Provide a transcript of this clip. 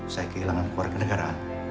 saya kehilangan keluarga negara